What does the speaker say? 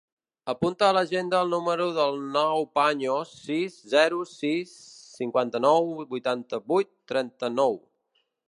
Apunta a l'agenda el número del Nouh Paños: sis, zero, sis, cinquanta-nou, vuitanta-vuit, trenta-nou.